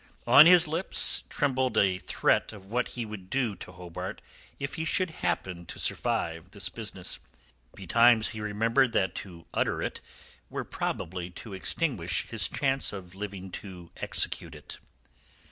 On his lips trembled a threat of what he would do to Hobart if he should happen to survive this business. Betimes he remembered that to utter it were probably to extinguish his chance of living to execute it.